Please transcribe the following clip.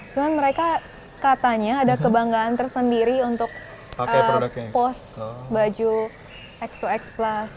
cuma mereka katanya ada kebanggaan tersendiri untuk post baju x dua x plus